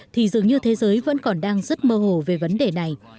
thì dường như thế giới vẫn còn đang rất mơ hồ về vấn đề này